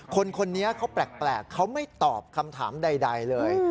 คนนี้เขาแปลกเขาไม่ตอบคำถามใดเลย